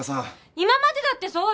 ・今までだってそうよ！